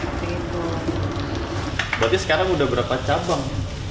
berarti sekarang udah berapa cabang